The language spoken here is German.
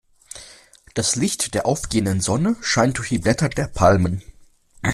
Das Licht der aufgehenden Sonne scheint durch die Blätter der Palmen.